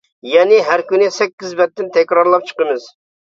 يەنى ھەر كۈنى سەككىز بەتتىن تەكرارلاپ چىقىمىز.